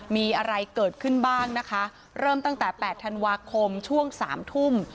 มีอะไรเกิดขึ้นบ้างนะคะเริ่มตั้งแต่๘ธันวาคมช่วงสามทุ่ม